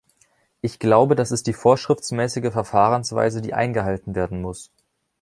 Ich glaube, das ist die vorschriftsmäßige Verfahrensweise, die eingehalten werden muss.